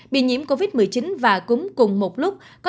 bị nhiễm covid một mươi chín và cúm cùng một lúc